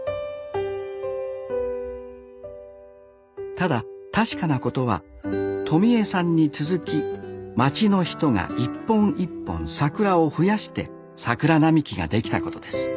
ただ確かなことはとみえさんに続き町の人が一本一本桜を増やして桜並木が出来たことです。